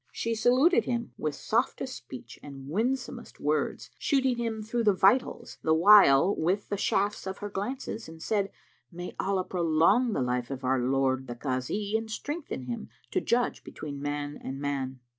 She saluted him with softest speech and winsomest words, shooting him through the vitals the while with the shafts of her glances, and said, "May Allah prolong the life of our lord the Kazi and strengthen him to judge between man and man!"